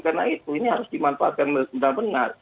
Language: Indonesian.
karena itu ini harus dimanfaatkan benar benar